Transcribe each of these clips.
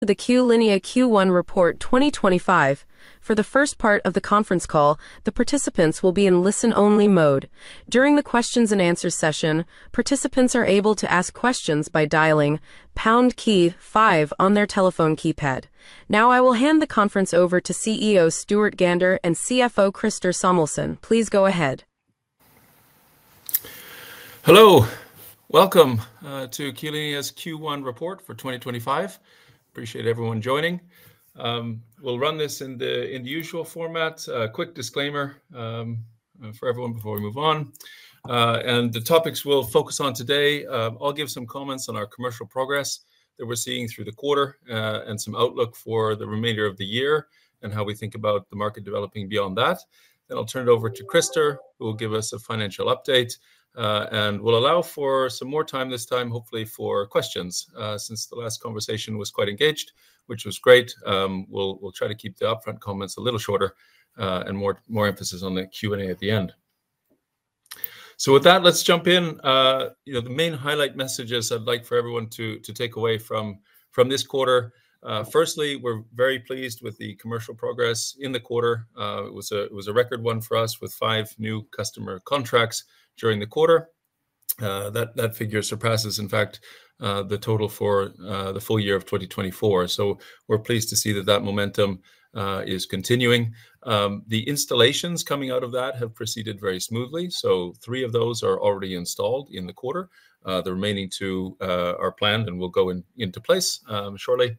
For the Q-linea Q1 Report 2025. For the first part of the conference call, the participants will be in listen-only mode. During the Q&A session, participants are able to ask questions by dialing #5 on their telephone keypad. Now, I will hand the conference over to CEO Stuart Gander and CFO Christer Samuelsson. Please go ahead. Hello. Welcome to Q-linea's Q1 Report for 2025. Appreciate everyone joining. We'll run this in the usual format: a quick disclaimer for everyone before we move on. The topics we'll focus on today: I'll give some comments on our commercial progress that we're seeing through the quarter, and some outlook for the remainder of the year, and how we think about the market developing beyond that. I will turn it over to Christer, who will give us a financial update, and we'll allow for some more time this time, hopefully for questions, since the last conversation was quite engaged, which was great. We'll try to keep the upfront comments a little shorter and more emphasis on the Q&A at the end. With that, let's jump in. The main highlight messages I'd like for everyone to take away from this quarter: Firstly, we're very pleased with the commercial progress in the quarter. It was a record one for us, with five new customer contracts during the quarter. That figure surpasses, in fact, the total for the full year of 2024. We're pleased to see that that momentum is continuing. The installations coming out of that have proceeded very smoothly. Three of those are already installed in the quarter. The remaining two are planned and will go into place shortly.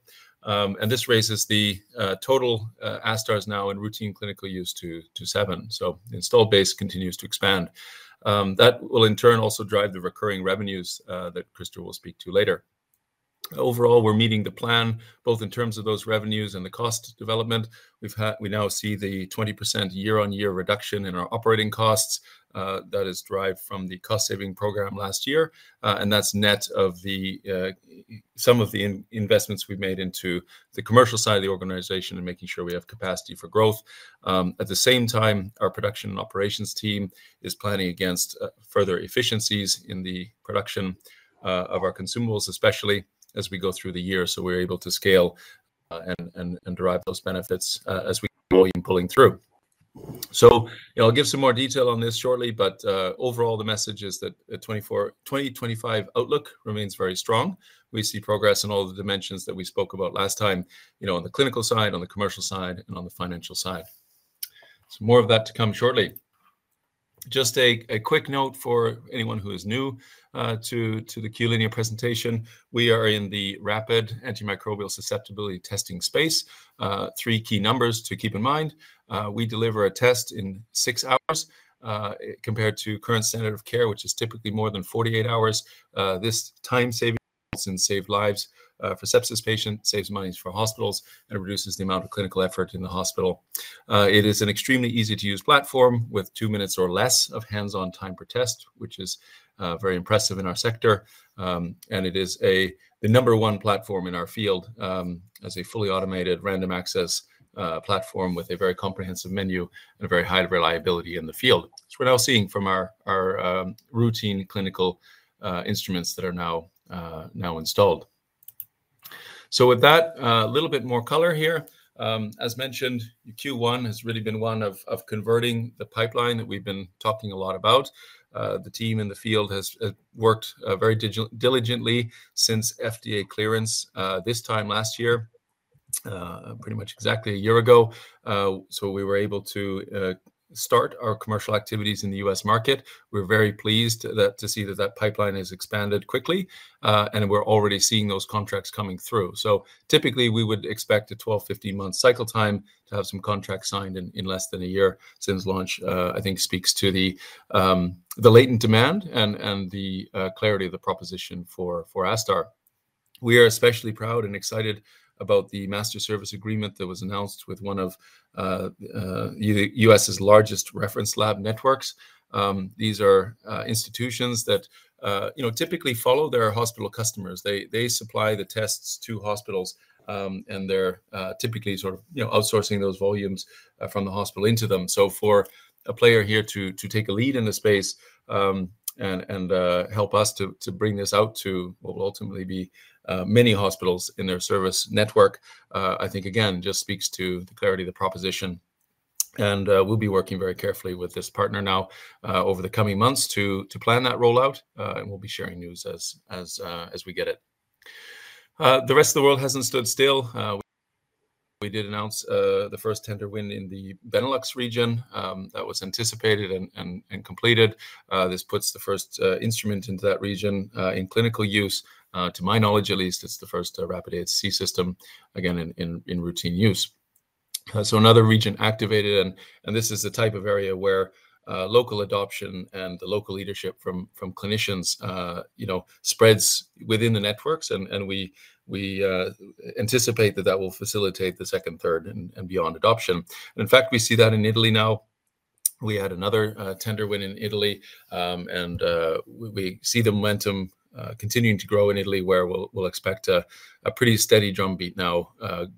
This raises the total ASTars now in routine clinical use to seven. The installed base continues to expand. That will, in turn, also drive the recurring revenues that Christer will speak to later. Overall, we're meeting the plan, both in terms of those revenues and the cost development. We now see the 20% year-on-year reduction in our operating costs that is derived from the cost-saving program last year. That is net of some of the investments we've made into the commercial side of the organization and making sure we have capacity for growth. At the same time, our production and operations team is planning against further efficiencies in the production of our consumables, especially as we go through the year, so we're able to scale and derive those benefits as we keep pulling through. I'll give some more detail on this shortly, but overall, the message is that the 2025 outlook remains very strong. We see progress in all the dimensions that we spoke about last time, on the clinical side, on the commercial side, and on the financial side. More of that to come shortly. Just a quick note for anyone who is new to the Q-linea presentation: We are in the rapid antimicrobial susceptibility testing space. Three key numbers to keep in mind: We deliver a test in six hours, compared to current standard of care, which is typically more than 48 hours. This time savings saves lives for sepsis patients, saves money for hospitals, and reduces the amount of clinical effort in the hospital. It is an extremely easy-to-use platform with two minutes or less of hands-on time per test, which is very impressive in our sector. It is the number one platform in our field as a fully automated random access platform with a very comprehensive menu and a very high reliability in the field. That is what we are now seeing from our routine clinical instruments that are now installed. With that, a little bit more color here. As mentioned, Q1 has really been one of converting the pipeline that we've been talking a lot about. The team in the field has worked very diligently since FDA clearance this time last year, pretty much exactly a year ago. We were able to start our commercial activities in the U.S. market. We're very pleased to see that that pipeline has expanded quickly, and we're already seeing those contracts coming through. Typically, we would expect a 12-15-month cycle time to have some contracts signed in less than a year since` launch, I think speaks to the latent demand and the clarity of the proposition for ASTar. We are especially proud and excited about the master service agreement that was announced with one of the U.S.'s largest reference lab networks. These are institutions that typically follow their hospital customers. They supply the tests to hospitals, and they're typically sort of outsourcing those volumes from the hospital into them. For a player here to take a lead in the space and help us to bring this out to what will ultimately be many hospitals in their service network, I think, again, just speaks to the clarity of the proposition. We'll be working very carefully with this partner now over the coming months to plan that rollout, and we'll be sharing news as we get it. The rest of the world hasn't stood still. We did announce the first tender win in the Benelux region. That was anticipated and completed. This puts the first instrument into that region in clinical use. To my knowledge, at least, it's the first rapid AST system, again, in routine use. Another region activated. This is the type of area where local adoption and the local leadership from clinicians spreads within the networks. We anticipate that that will facilitate the second, third, and beyond adoption. In fact, we see that in Italy now. We had another tender win in Italy, and we see the momentum continuing to grow in Italy, where we will expect a pretty steady drumbeat now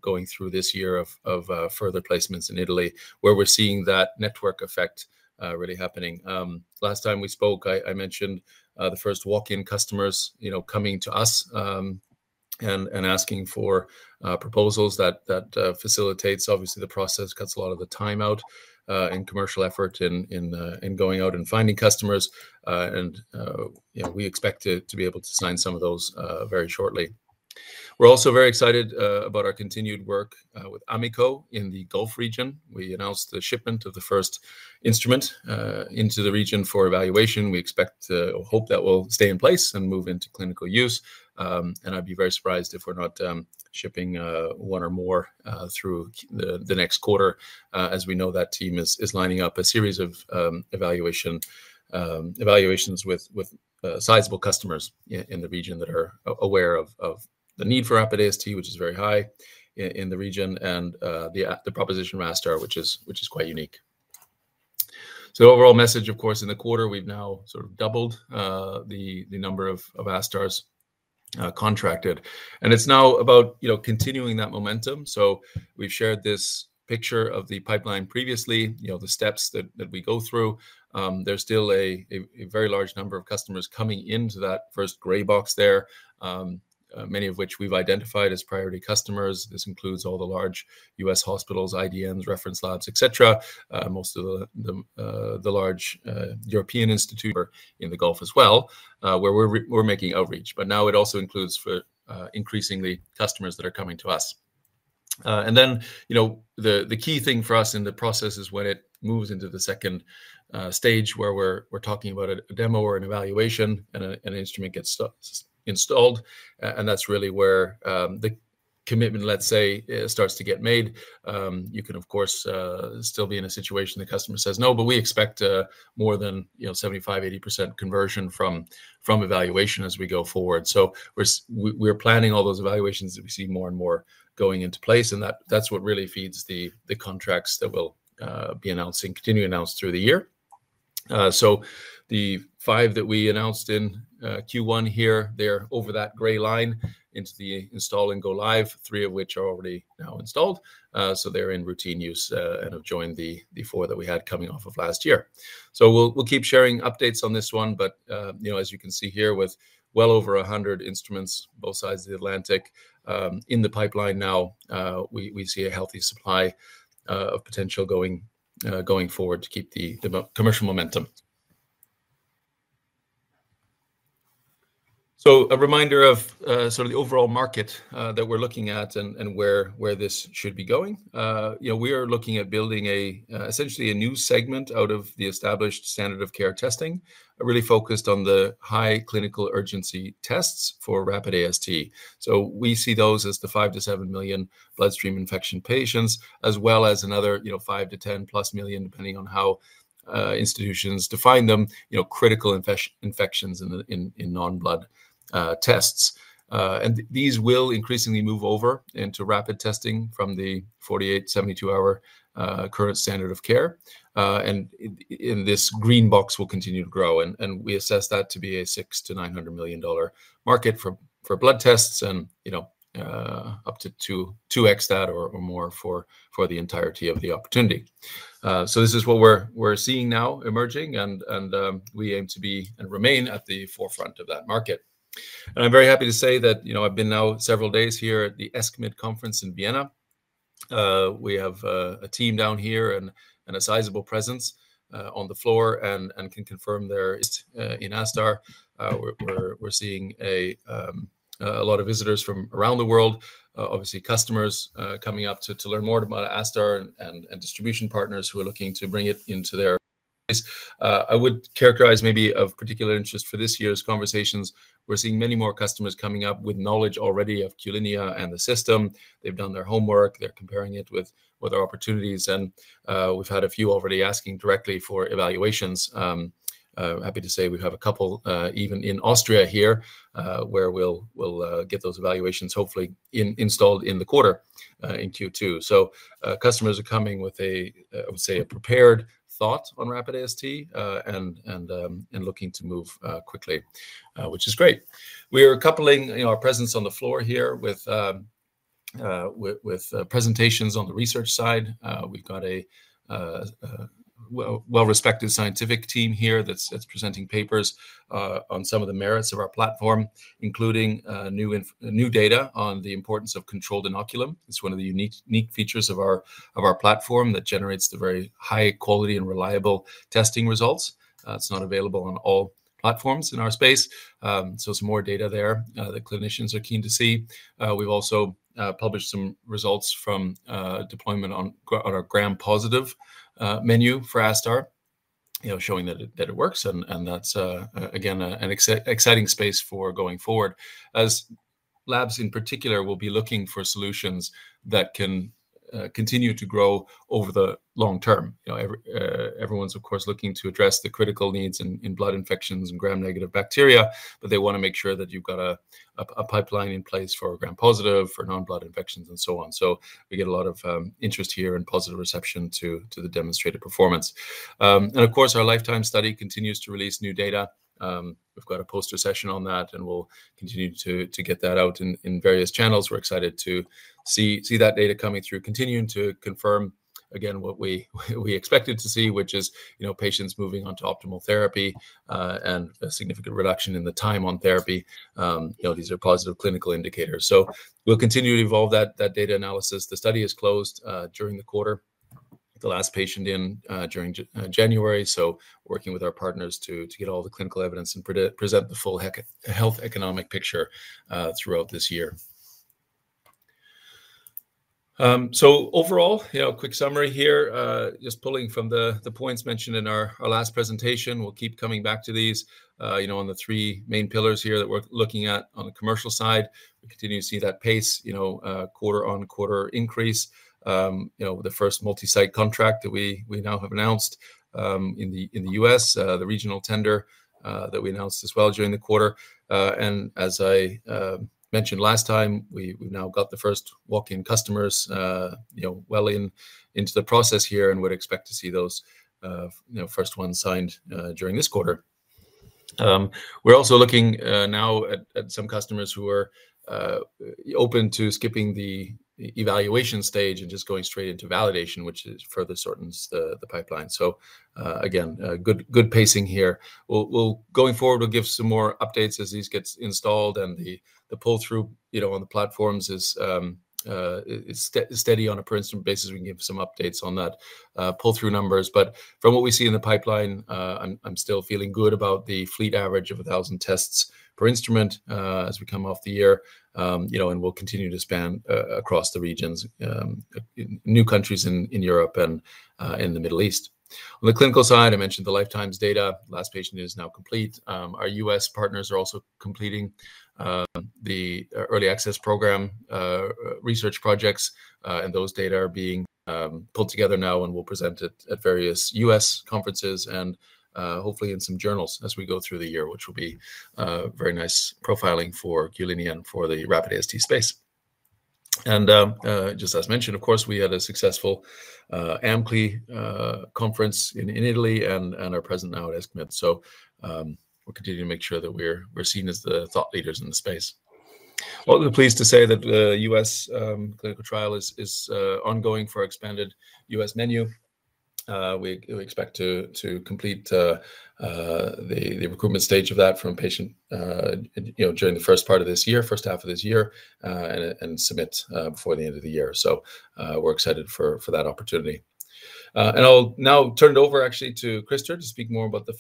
going through this year of further placements in Italy, where we are seeing that network effect really happening. Last time we spoke, I mentioned the first walk-in customers coming to us and asking for proposals. That facilitates, obviously, the process, cuts a lot of the time out in commercial effort in going out and finding customers. We expect to be able to sign some of those very shortly. We are also very excited about our continued work with AMICO in the Gulf region. We announced the shipment of the first instrument into the region for evaluation. We expect or hope that will stay in place and move into clinical use. I'd be very surprised if we're not shipping one or more through the next quarter, as we know that team is lining up a series of evaluations with sizable customers in the region that are aware of the need for rapid AST, which is very high in the region, and the proposition of ASTar, which is quite unique. The overall message, of course, in the quarter, we've now sort of doubled the number of ASTars contracted. It's now about continuing that momentum. We've shared this picture of the pipeline previously, the steps that we go through. There's still a very large number of customers coming into that first gray box there, many of which we've identified as priority customers. This includes all the large U.S. hospitals, IDMs, reference labs, et cetera, most of the large European institutions. In the Gulf as well, where we're making outreach. Now it also includes increasingly customers that are coming to us. The key thing for us in the process is when it moves into the second stage, where we're talking about a demo or an evaluation and an instrument gets installed. That's really where the commitment, let's say, starts to get made. You can, of course, still be in a situation the customer says, "No," but we expect more than 75%-80% conversion from evaluation as we go forward. We're planning all those evaluations that we see more and more going into place. That's what really feeds the contracts that will be announced and continue to be announced through the year. The five that we announced in Q1 here, they're over that gray line into the install and go live, three of which are already now installed. They're in routine use and have joined the four that we had coming off of last year. We'll keep sharing updates on this one. As you can see here, with well over 100 instruments on both sides of the Atlantic in the pipeline now, we see a healthy supply of potential going forward to keep the commercial momentum. A reminder of sort of the overall market that we're looking at and where this should be going. We are looking at building essentially a new segment out of the established standard of care testing, really focused on the high clinical urgency tests for rapid AST. We see those as the 5 million-7 million bloodstream infection patients, as well as another 5 million-10+ million, depending on how institutions define them, critical infections in non-blood tests. These will increasingly move over into rapid testing from the 48-72 hour current standard of care. In this green box, we'll continue to grow. We assess that to be a $600 million-$900 million market for blood tests and up to 2x that or more for the entirety of the opportunity. This is what we're seeing now emerging. We aim to be and remain at the forefront of that market. I'm very happy to say that I've been now several days here at the ESCMID conference in Vienna. We have a team down here and a sizable presence on the floor and can confirm there. In ASTar, we're seeing a lot of visitors from around the world, obviously customers coming up to learn more about ASTar and distribution partners who are looking to bring it into their space. I would characterize maybe of particular interest for this year's conversations. We're seeing many more customers coming up with knowledge already of Q-linea and the system. They've done their homework. They're comparing it with other opportunities. We've had a few already asking directly for evaluations. Happy to say we have a couple even in Austria here, where we'll get those evaluations, hopefully installed in the quarter in Q2. Customers are coming with, I would say, a prepared thought on rapid AST and looking to move quickly, which is great. We are coupling our presence on the floor here with presentations on the research side. We've got a well-respected scientific team here that's presenting papers on some of the merits of our platform, including new data on the importance of controlled inoculum. It's one of the unique features of our platform that generates the very high quality and reliable testing results. It's not available on all platforms in our space. There is more data there that clinicians are keen to see. We've also published some results from deployment on our Gram-positive menu for ASTar, showing that it works. That's, again, an exciting space for going forward, as labs in particular will be looking for solutions that can continue to grow over the long term. Everyone's, of course, looking to address the critical needs in blood infections and Gram-negative bacteria, but they want to make sure that you've got a pipeline in place for Gram-positive, for non-blood infections, and so on. We get a lot of interest here and positive reception to the demonstrated performance. Of course, our lifetime study continues to release new data. We've got a poster session on that, and we'll continue to get that out in various channels. We're excited to see that data coming through, continuing to confirm, again, what we expected to see, which is patients moving on to optimal therapy and a significant reduction in the time on therapy. These are positive clinical indicators. We'll continue to evolve that data analysis. The study is closed during the quarter, the last patient in during January. Working with our partners to get all the clinical evidence and present the full health economic picture throughout this year. Overall, quick summary here, just pulling from the points mentioned in our last presentation. We'll keep coming back to these on the three main pillars here that we're looking at on the commercial side. We continue to see that pace, quarter-on-quarter increase, the first multi-site contract that we now have announced in the U.S., the regional tender that we announced as well during the quarter. As I mentioned last time, we've now got the first walk-in customers well into the process here and would expect to see those first ones signed during this quarter. We're also looking now at some customers who are open to skipping the evaluation stage and just going straight into validation, which further shortens the pipeline. Again, good pacing here. Going forward, we'll give some more updates as these get installed. The pull-through on the platforms is steady on a per-instrument basis. We can give some updates on that pull-through numbers. From what we see in the pipeline, I'm still feeling good about the fleet average of 1,000 tests per instrument as we come off the year. We'll continue to span across the regions, new countries in Europe and in the Middle East. On the clinical side, I mentioned the lifetime's data. Last patient is now complete. Our U.S. partners are also completing the early access program research projects. Those data are being pulled together now, and we'll present it at various U.S. conferences and hopefully in some journals as we go through the year, which will be very nice profiling for Q-linea and for the rapid AST space. Just as mentioned, of course, we had a successful AMCLI conference in Italy and are present now at ESCMID. We'll continue to make sure that we're seen as the thought leaders in the space. Also pleased to say that the U.S. clinical trial is ongoing for our expanded U.S. menu. We expect to complete the recruitment stage of that from patient during the first part of this year, first half of this year, and submit before the end of the year. We're excited for that opportunity. I'll now turn it over, actually, to Christer to speak more about the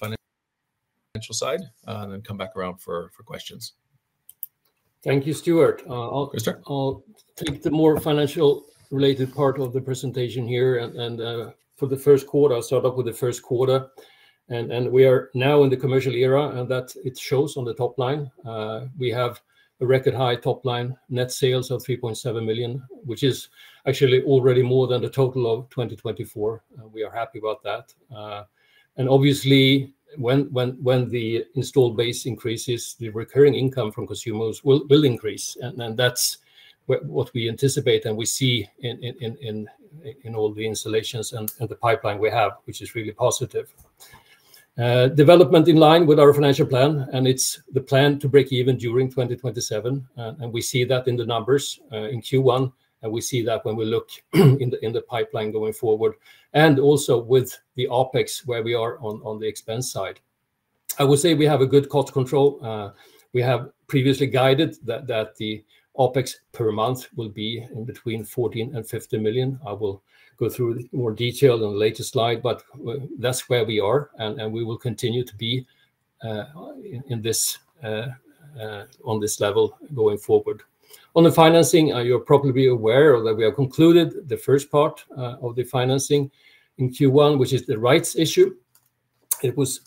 financial side and then come back around for questions. Thank you, Stuart. I'll take the more financial-related part of the presentation here. For the first quarter, I'll start off with the first quarter. We are now in the commercial era, and that shows on the top line. We have a record high top line net sales of 3.7 million, which is actually already more than the total of 2024. We are happy about that. Obviously, when the installed base increases, the recurring income from consumables will increase. That is what we anticipate and we see in all the installations and the pipeline we have, which is really positive. Development is in line with our financial plan, and it is the plan to break even during 2027. We see that in the numbers in Q1. We see that when we look in the pipeline going forward and also with the OpEx, where we are on the expense side. I would say we have good cost control. We have previously guided that the OpEx per month will be between 14 million and 15 million. I will go through more detail on the later slide, but that is where we are. We will continue to be on this level going forward. On the financing, you're probably aware that we have concluded the first part of the financing in Q1, which is the rights issue. It was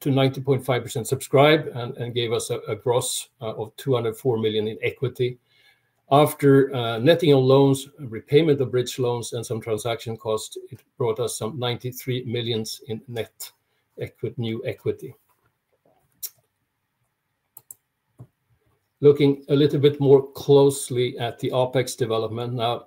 to 90.5% subscribed and gave us a gross of 204 million in equity. After netting on loans, repayment of bridge loans, and some transaction costs, it brought us some 93 million in net new equity. Looking a little bit more closely at the OpEx development, now,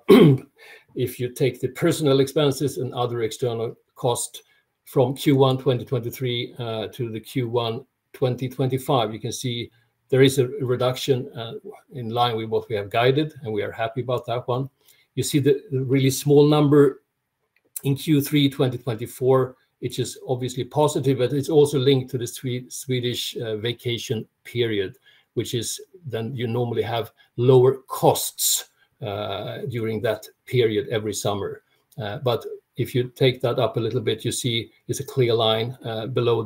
if you take the personnel expenses and other external costs from Q1 2023 to Q1 2025, you can see there is a reduction in line with what we have guided, and we are happy about that one. You see the really small number in Q3 2024, which is obviously positive, but it's also linked to the Swedish vacation period, which is when you normally have lower costs during that period every summer. If you take that up a little bit, you see it's a clear line below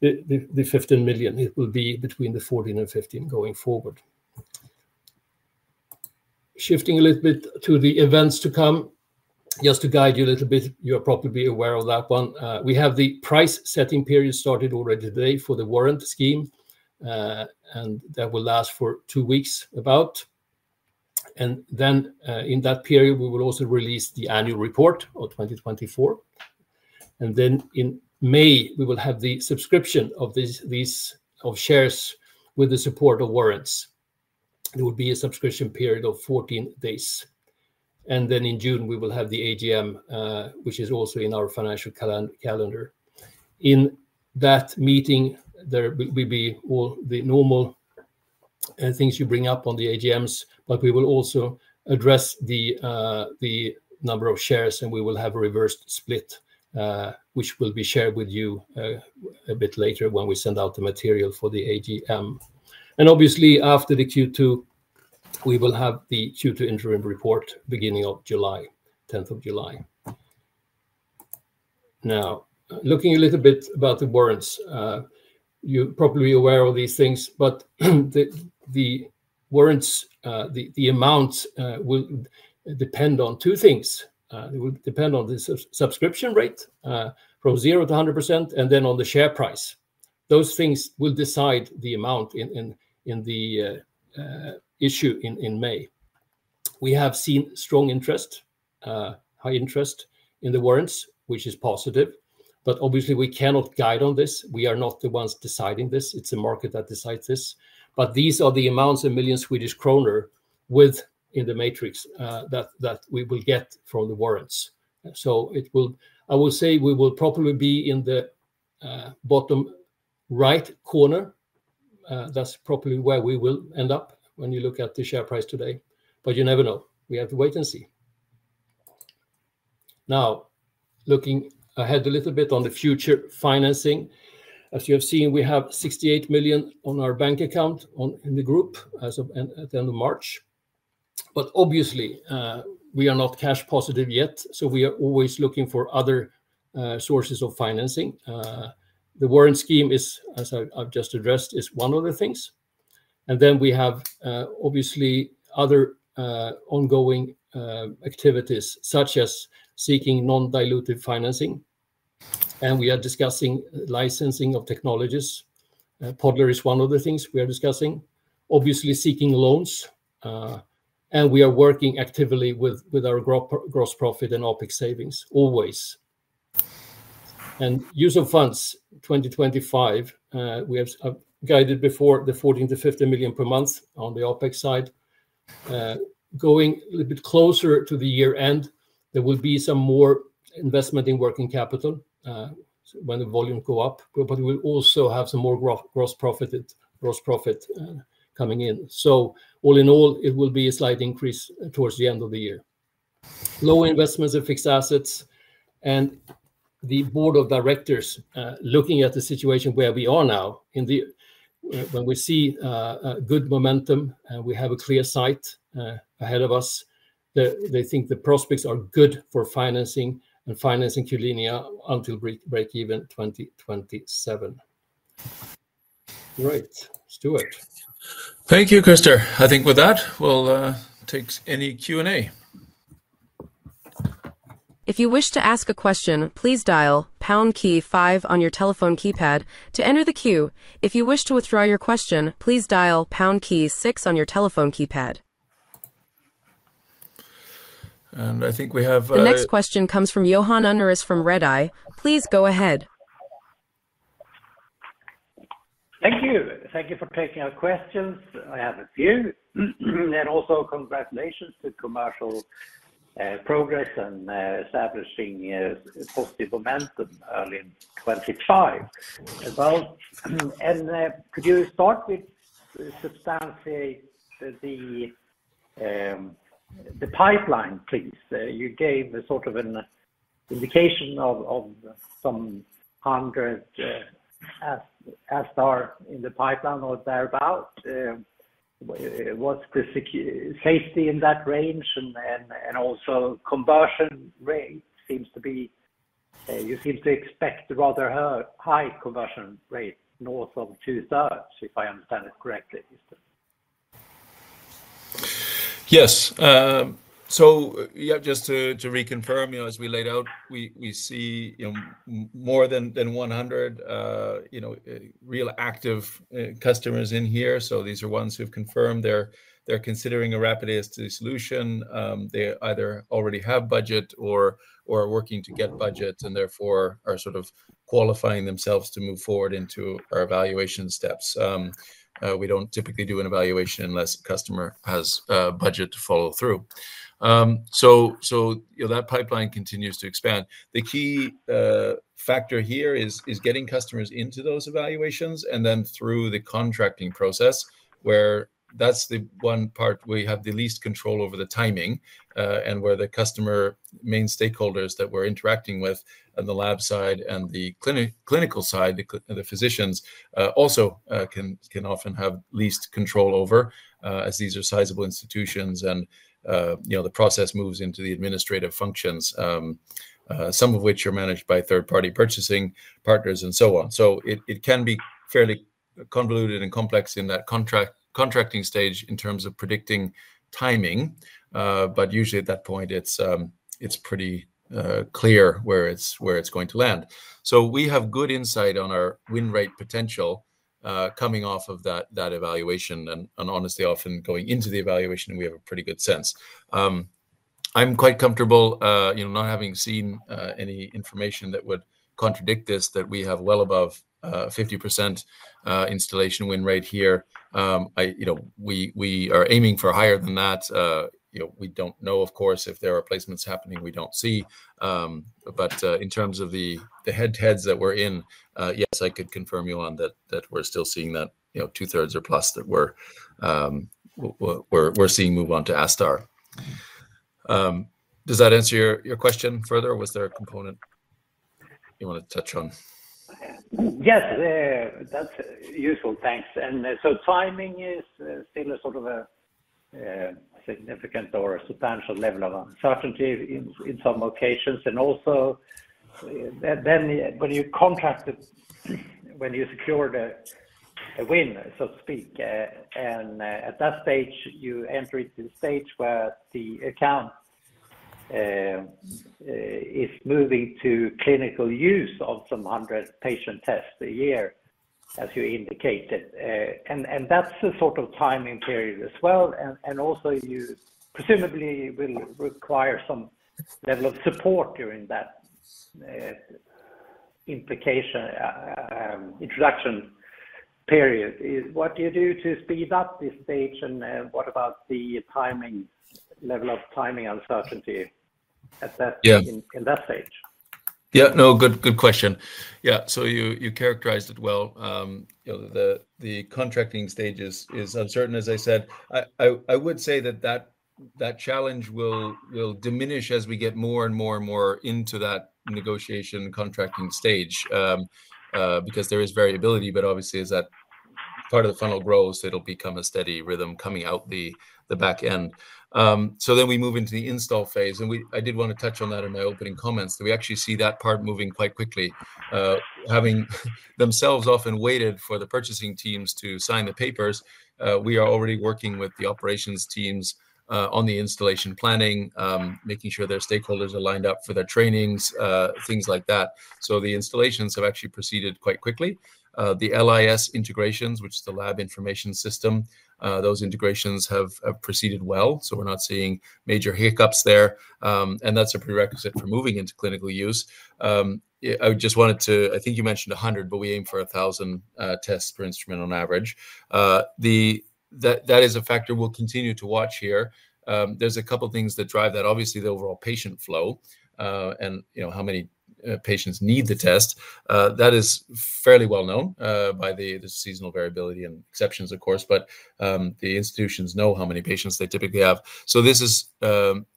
the 15 million. It will be between 14 million and 15 million going forward. Shifting a little bit to the events to come, just to guide you a little bit, you are probably aware of that one. We have the price setting period started already today for the warrant scheme, and that will last for about two weeks. In that period, we will also release the annual report of 2024. In May, we will have the subscription of shares with the support of warrants. There will be a subscription period of 14 days. In June, we will have the AGM, which is also in our financial calendar. In that meeting, there will be all the normal things you bring up on the AGMs, but we will also address the number of shares, and we will have a reversed split, which will be shared with you a bit later when we send out the material for the AGM. Obviously, after the Q2, we will have the Q2 interim report beginning on the 10th of July. Now, looking a little bit about the warrants, you're probably aware of these things, but the warrants, the amounts will depend on two things. They will depend on the subscription rate from 0%-100% and then on the share price. Those things will decide the amount in the issue in May. We have seen strong interest, high interest in the warrants, which is positive. Obviously, we cannot guide on this. We are not the ones deciding this. It's a market that decides this. These are the amounts in million Swedish kronor within the matrix that we will get from the warrants. I will say we will probably be in the bottom right corner. That's probably where we will end up when you look at the share price today. You never know. We have to wait and see. Now, looking ahead a little bit on the future financing, as you have seen, we have 68 million on our bank account in the group at the end of March. Obviously, we are not cash positive yet. We are always looking for other sources of financing. The warrant scheme is, as I've just addressed, one of the things. We have obviously other ongoing activities, such as seeking non-dilutive financing. We are discussing licensing of technologies. Podler is one of the things we are discussing. Obviously, seeking loans. We are working actively with our gross profit and OPEX savings, always. Use of funds 2025, we have guided before the 14 million-50 million per month on the OPEX side. Going a little bit closer to the year end, there will be some more investment in working capital when the volume go up. We will also have some more gross profit coming in. All in all, it will be a slight increase towards the end of the year. Low investments in fixed assets. The board of directors looking at the situation where we are now, when we see good momentum and we have a clear sight ahead of us, they think the prospects are good for financing and financing Q-linea until break even 2027. All right, Stuart. Thank you, Christer. I think with that, we'll take any Q&A. If you wish to ask a question, please dial pound key five on your telephone keypad to enter the queue. If you wish to withdraw your question, please dial pound key six on your telephone keypad. I think we have. The next question comes from Johan Unnérus from Redeye. Please go ahead. Thank you. Thank you for taking our questions. I have a few. Also, congratulations to commercial progress and establishing positive momentum early in 2025. Could you start with substantiating the pipeline, please? You gave sort of an indication of some hundreds as are in the pipeline or thereabout. What's the safety in that range? Also, conversion rate seems to be, you seem to expect rather high conversion rate north of two-thirds, if I understand it correctly. Yes. Yeah, just to reconfirm, as we laid out, we see more than 100 real active customers in here. These are ones who've confirmed they're considering a rapid AST solution. They either already have budget or are working to get budget and therefore are sort of qualifying themselves to move forward into our evaluation steps. We do not typically do an evaluation unless a customer has budget to follow through. That pipeline continues to expand. The key factor here is getting customers into those evaluations and then through the contracting process, where that's the one part we have the least control over the timing and where the customer main stakeholders that we're interacting with on the lab side and the clinical side, the physicians, also can often have least control over, as these are sizable institutions and the process moves into the administrative functions, some of which are managed by third-party purchasing partners and so on. It can be fairly convoluted and complex in that contracting stage in terms of predicting timing. Usually at that point, it's pretty clear where it's going to land. We have good insight on our win rate potential coming off of that evaluation and honestly often going into the evaluation, we have a pretty good sense. I'm quite comfortable not having seen any information that would contradict this, that we have well above 50% installation win rate here. We are aiming for higher than that. We don't know, of course, if there are placements happening we don't see. In terms of the head heads that we're in, yes, I could confirm, Johan, that we're still seeing that two-thirds or plus that we're seeing move on to ASTar. Does that answer your question further? Was there a component you want to touch on? Yes, that's useful. Thanks. Timing is still a sort of a significant or substantial level of uncertainty in some locations. Also, when you contract, when you secure the win, so to speak, at that stage you enter into the stage where the account is moving to clinical use of some hundred patient tests a year, as you indicated. That's a sort of timing period as well. Also, you presumably will require some level of support during that implication introduction period. What do you do to speed up this stage? What about the timing level of timing uncertainty in that stage? Yeah. No, good question. Yeah. You characterized it well. The contracting stage is uncertain, as I said. I would say that that challenge will diminish as we get more and more and more into that negotiation contracting stage because there is variability. Obviously, as that part of the funnel grows, it will become a steady rhythm coming out the back end. We move into the install phase. I did want to touch on that in my opening comments, that we actually see that part moving quite quickly. Having themselves often waited for the purchasing teams to sign the papers, we are already working with the operations teams on the installation planning, making sure their stakeholders are lined up for their trainings, things like that. The installations have actually proceeded quite quickly. The LIS integrations, which is the lab information system, those integrations have proceeded well. We're not seeing major hiccups there. That's a prerequisite for moving into clinical use. I just wanted to, I think you mentioned 100, but we aim for 1,000 tests per instrument on average. That is a factor we'll continue to watch here. There's a couple of things that drive that. Obviously, the overall patient flow and how many patients need the test. That is fairly well known by the seasonal variability and exceptions, of course. The institutions know how many patients they typically have. This is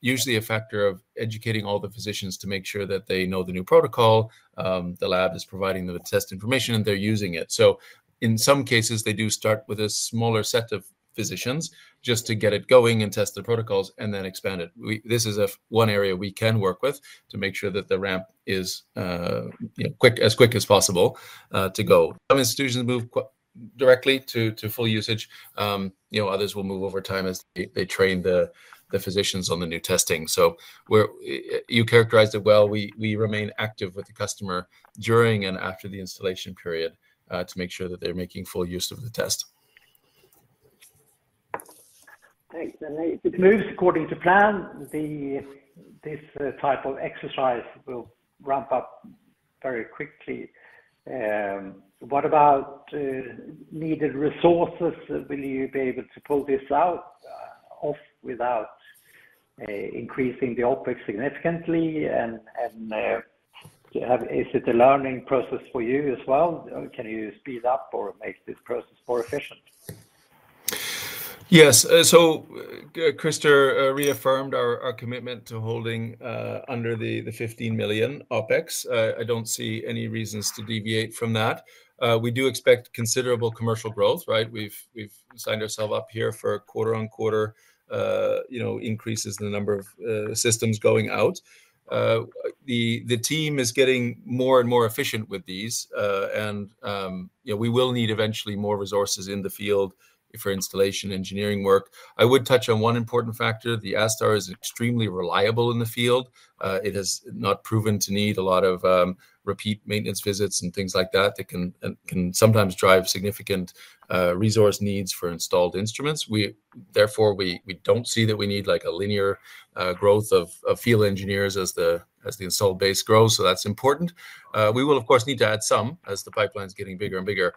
usually a factor of educating all the physicians to make sure that they know the new protocol, the lab is providing the test information, and they're using it. In some cases, they do start with a smaller set of physicians just to get it going and test the protocols and then expand it. This is one area we can work with to make sure that the ramp is as quick as possible to go. Some institutions move directly to full usage. Others will move over time as they train the physicians on the new testing. You characterized it well. We remain active with the customer during and after the installation period to make sure that they're making full use of the test. Thanks. It moves according to plan. This type of exercise will ramp up very quickly. What about needed resources? Will you be able to pull this out without increasing the OPEX significantly? Is it a learning process for you as well? Can you speed up or make this process more efficient? Yes. Christer reaffirmed our commitment to holding under 15 million OpEx. I do not see any reasons to deviate from that. We do expect considerable commercial growth, right? We have signed ourselves up here for quarter-on-quarter increases in the number of systems going out. The team is getting more and more efficient with these. We will need eventually more resources in the field for installation engineering work. I would touch on one important factor. The ASTar is extremely reliable in the field. It has not proven to need a lot of repeat maintenance visits and things like that. It can sometimes drive significant resource needs for installed instruments. Therefore, we do not see that we need a linear growth of field engineers as the installed base grows. That is important. We will, of course, need to add some as the pipeline is getting bigger and bigger.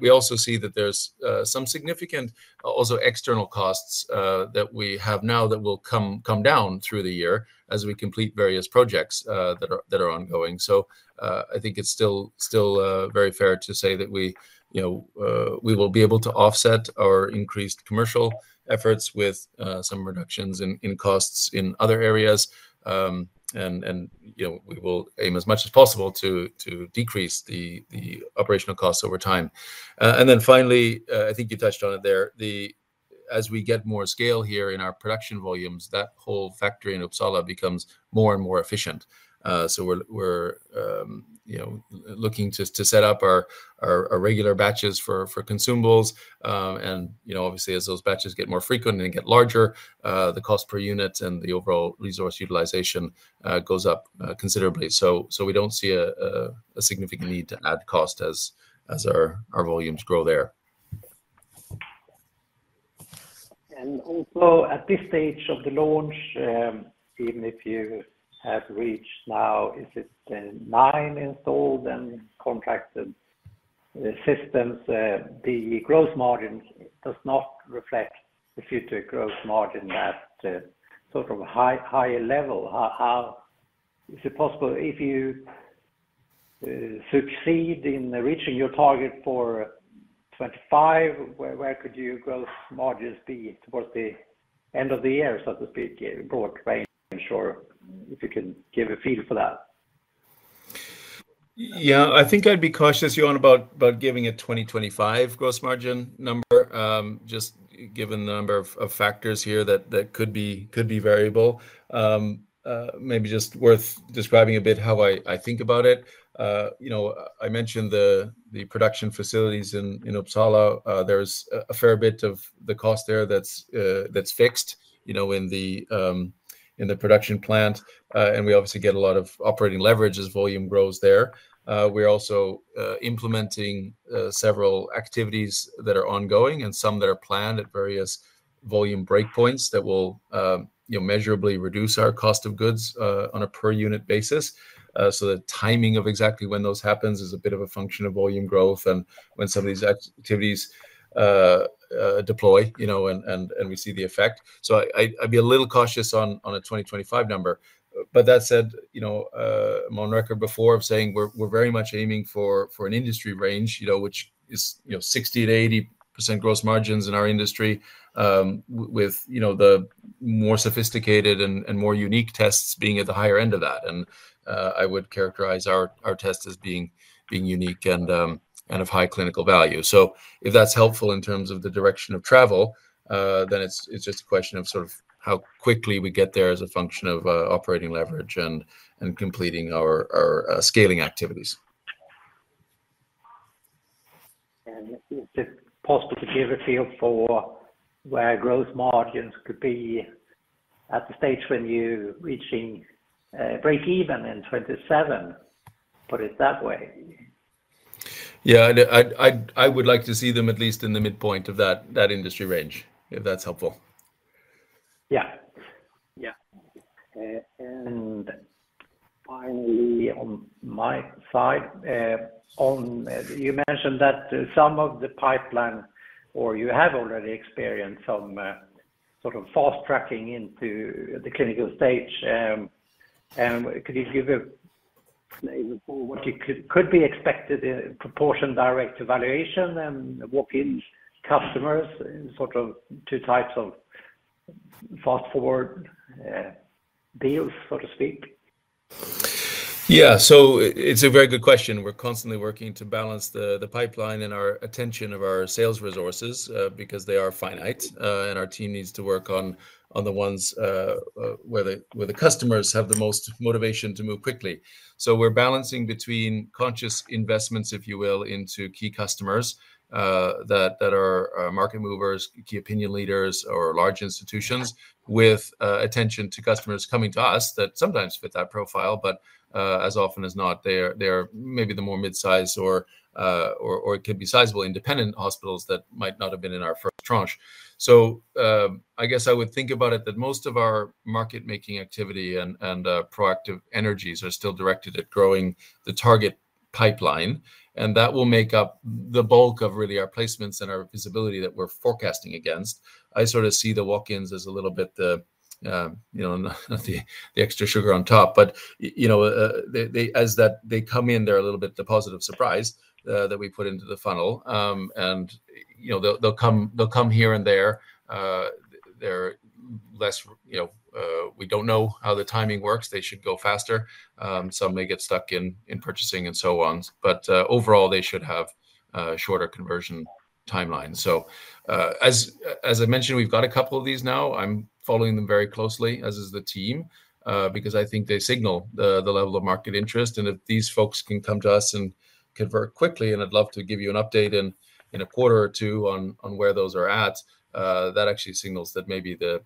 We also see that there's some significant external costs that we have now that will come down through the year as we complete various projects that are ongoing. I think it's still very fair to say that we will be able to offset our increased commercial efforts with some reductions in costs in other areas. We will aim as much as possible to decrease the operational costs over time. Finally, I think you touched on it there. As we get more scale here in our production volumes, that whole factory in Uppsala becomes more and more efficient. We're looking to set up our regular batches for consumables. Obviously, as those batches get more frequent and get larger, the cost per unit and the overall resource utilization goes up considerably. We don't see a significant need to add cost as our volumes grow there. Also at this stage of the launch, even if you have reached now, is it nine installed and contracted systems? The gross margin does not reflect the future gross margin at sort of higher level. Is it possible if you succeed in reaching your target for 2025, where could your gross margins be towards the end of the year, so to speak, broad range or if you can give a feel for that? Yeah, I think I'd be cautious, Johan, about giving a 2025 gross margin number, just given the number of factors here that could be variable. Maybe just worth describing a bit how I think about it. I mentioned the production facilities in Uppsala. There's a fair bit of the cost there that's fixed in the production plant. We obviously get a lot of operating leverage as volume grows there. We're also implementing several activities that are ongoing and some that are planned at various volume breakpoints that will measurably reduce our cost of goods on a per unit basis. The timing of exactly when those happens is a bit of a function of volume growth and when some of these activities deploy and we see the effect. I'd be a little cautious on a 2025 number. That said, among record before of saying we're very much aiming for an industry range, which is 60%-80% gross margins in our industry with the more sophisticated and more unique tests being at the higher end of that. I would characterize our test as being unique and of high clinical value. If that's helpful in terms of the direction of travel, then it's just a question of sort of how quickly we get there as a function of operating leverage and completing our scaling activities. Is it possible to give a feel for where gross margins could be at the stage when you're reaching break-even in 2027? Put it that way. Yeah. I would like to see them at least in the midpoint of that industry range, if that's helpful. Yeah. Yeah. Finally, on my side, you mentioned that some of the pipeline or you have already experienced some sort of fast tracking into the clinical stage. Could you give a flavor for what could be expected in proportion direct evaluation and walk-in customers, sort of two types of fast-forward deals, so to speak? Yeah. It is a very good question. We are constantly working to balance the pipeline and our attention of our sales resources because they are finite and our team needs to work on the ones where the customers have the most motivation to move quickly. We are balancing between conscious investments, if you will, into key customers that are market movers, key opinion leaders, or large institutions with attention to customers coming to us that sometimes fit that profile, but as often as not, they are maybe the more mid-size or it could be sizable independent hospitals that might not have been in our first tranche. I guess I would think about it that most of our market-making activity and proactive energies are still directed at growing the target pipeline. That will make up the bulk of really our placements and our visibility that we are forecasting against. I sort of see the walk-ins as a little bit the extra sugar on top. As they come in, they're a little bit the positive surprise that we put into the funnel. They'll come here and there. They're less, we don't know how the timing works. They should go faster. Some may get stuck in purchasing and so on. Overall, they should have shorter conversion timelines. As I mentioned, we've got a couple of these now. I'm following them very closely, as is the team, because I think they signal the level of market interest. If these folks can come to us and convert quickly, and I'd love to give you an update in a quarter or two on where those are at, that actually signals that maybe the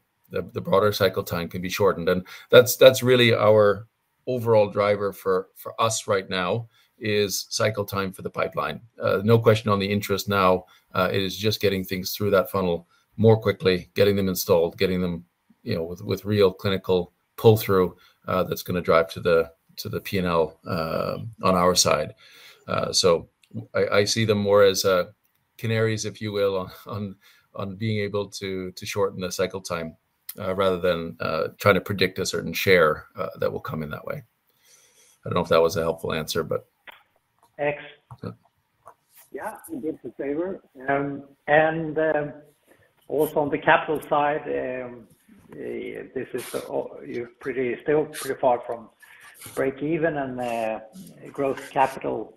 broader cycle time can be shortened. That is really our overall driver for us right now, cycle time for the pipeline. No question on the interest now. It is just getting things through that funnel more quickly, getting them installed, getting them with real clinical pull-through that is going to drive to the P&L on our side. I see them more as canaries, if you will, on being able to shorten the cycle time rather than trying to predict a certain share that will come in that way. I do not know if that was a helpful answer, but. Thanks. Yeah. I'll give it a favor. Also on the capital side, this is still pretty far from break-even. Gross capital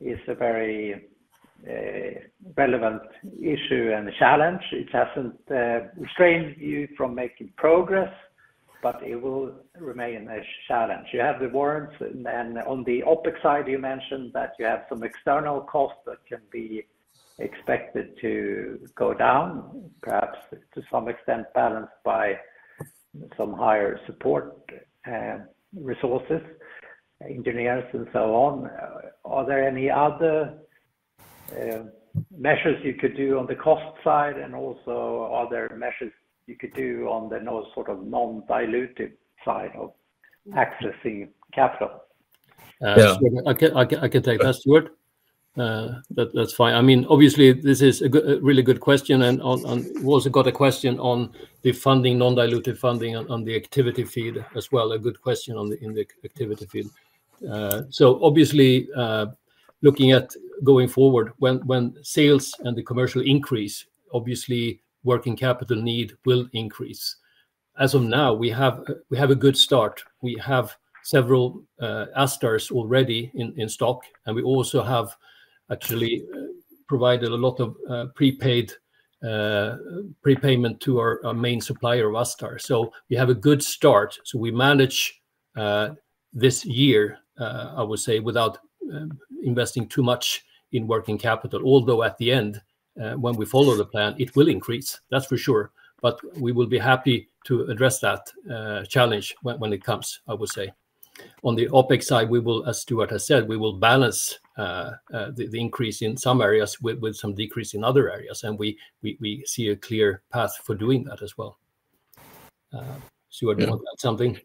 is a very relevant issue and challenge. It hasn't restrained you from making progress, but it will remain a challenge. You have the warrants. On the OPEX side, you mentioned that you have some external costs that can be expected to go down, perhaps to some extent balanced by some higher support resources, engineers, and so on. Are there any other measures you could do on the cost side? Also are there measures you could do on the sort of non-dilutive side of accessing capital? Yeah. I can take that, Stuart. That's fine. I mean, obviously, this is a really good question. I mean, we also got a question on the funding, non-dilutive funding on the activity feed as well. A good question on the activity feed. Obviously, looking at going forward, when sales and the commercial increase, obviously, working capital need will increase. As of now, we have a good start. We have several ASTars already in stock. We also have actually provided a lot of prepaid prepayment to our main supplier of ASTar. We have a good start. We manage this year, I would say, without investing too much in working capital. Although at the end, when we follow the plan, it will increase, that's for sure. We will be happy to address that challenge when it comes, I would say. On the OPEX side, we will, as Stuart has said, we will balance the increase in some areas with some decrease in other areas. We see a clear path for doing that as well. Stuart, do you want to add something?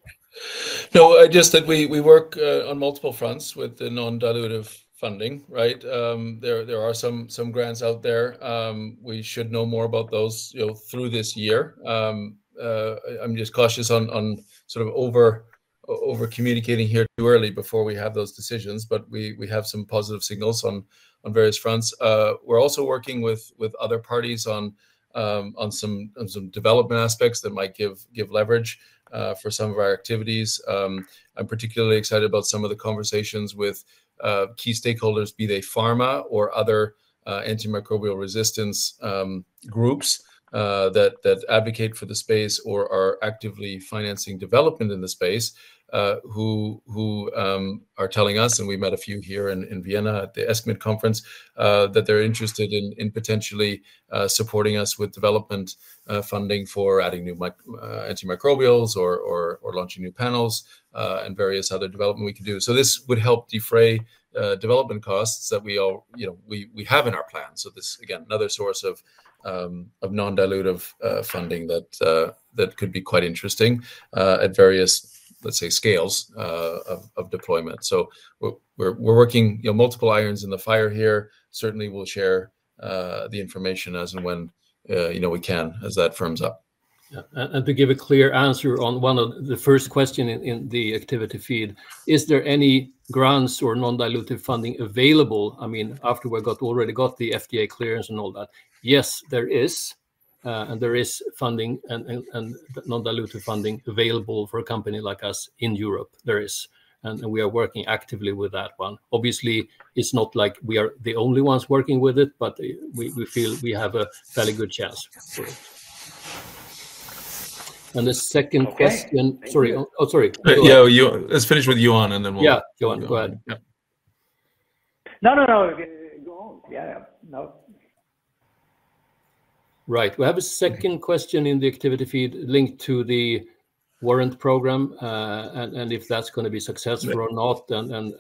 No, just that we work on multiple fronts with the non-dilutive funding, right? There are some grants out there. We should know more about those through this year. I am just cautious on sort of over-communicating here too early before we have those decisions. We have some positive signals on various fronts. We are also working with other parties on some development aspects that might give leverage for some of our activities. I am particularly excited about some of the conversations with key stakeholders, be they pharma or other antimicrobial resistance groups that advocate for the space or are actively financing development in the space, who are telling us, and we met a few here in Vienna at the ESCMID conference, that they are interested in potentially supporting us with development funding for adding new antimicrobials or launching new panels and various other development we could do. This would help defray development costs that we have in our plan. This, again, another source of non-dilutive funding that could be quite interesting at various, let's say, scales of deployment. We're working multiple irons in the fire here. Certainly, we'll share the information as and when we can as that firms up. Yeah. To give a clear answer on one of the first questions in the activity feed, is there any grants or non-dilutive funding available? I mean, after we already got the FDA clearance and all that, yes, there is. There is funding and non-dilutive funding available for a company like us in Europe. There is. We are working actively with that one. Obviously, it's not like we are the only ones working with it, but we feel we have a fairly good chance for it. The second question. Sorry. Oh, sorry. Yeah. Let's finish with Johan, and then we'll. Yeah. Johan, go ahead. No, no. Yeah. No. Right. We have a second question in the activity feed linked to the warrant program, if that's going to be successful or not. Yeah.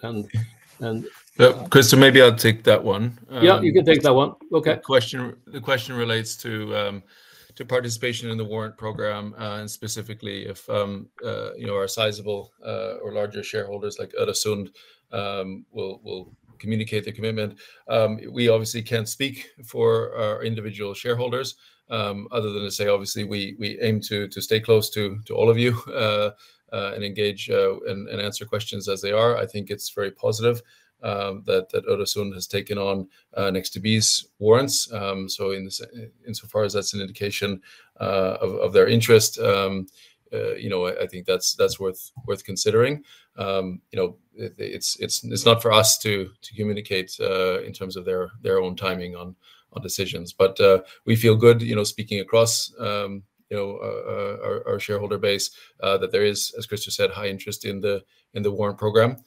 Christer, maybe I'll take that one. Yeah. You can take that one. Okay. The question relates to participation in the warrant program and specifically if our sizable or larger shareholders like Öresund will communicate their commitment. We obviously can't speak for our individual shareholders other than to say, obviously, we aim to stay close to all of you and engage and answer questions as they are. I think it's very positive that Öresund has taken on Nexttobe's warrants. Insofar as that's an indication of their interest, I think that's worth considering. It's not for us to communicate in terms of their own timing on decisions. We feel good speaking across our shareholder base that there is, as Christer said, high interest in the warrant program.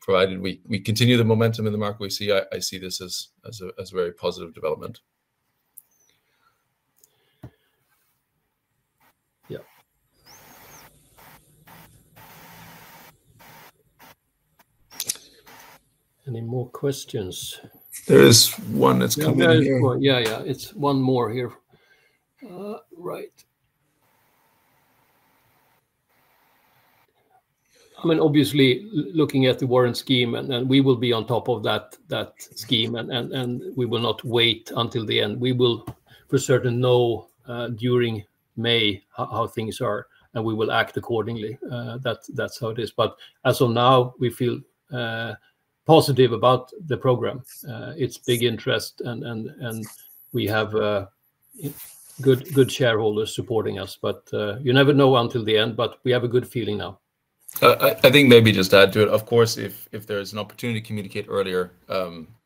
Provided we continue the momentum in the market, I see this as a very positive development. Yeah. Any more questions? There is one that's coming in. Yeah, yeah. It's one more here. Right. I mean, obviously, looking at the warrant scheme, and we will be on top of that scheme, and we will not wait until the end. We will, for certain, know during May how things are, and we will act accordingly. That's how it is. As of now, we feel positive about the program. It's big interest, and we have good shareholders supporting us. You never know until the end, but we have a good feeling now. I think maybe just add to it, of course, if there is an opportunity to communicate earlier,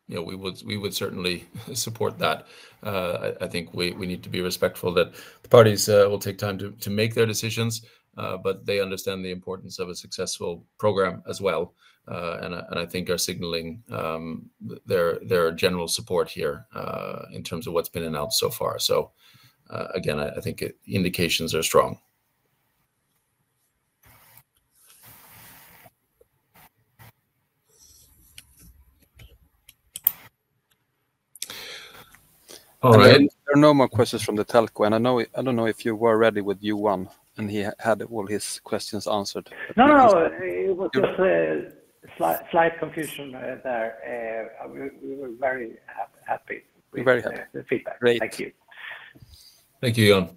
we would certainly support that. I think we need to be respectful that the parties will take time to make their decisions, but they understand the importance of a successful program as well. I think are signaling their general support here in terms of what's been announced so far. I think indications are strong. All right. There are no more questions from the telco. I don't know if you were ready with Johan, and he had all his questions answered. No, no, no. It was just slight confusion there. We were very happy with the feedback. Great. Thank you. Thank you, Johan.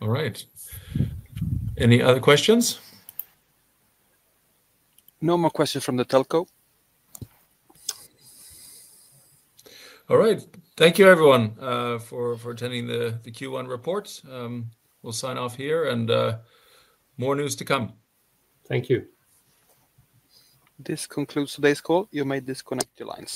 All right. Any other questions? No more questions from the telco. All right. Thank you, everyone, for attending the Q1 reports. We'll sign off here, and more news to come. Thank you. This concludes today's call. You may disconnect your lines.